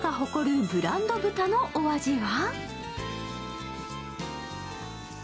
続いて千葉が誇るブランド豚のお味は？